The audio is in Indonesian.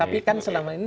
tapi kan selama ini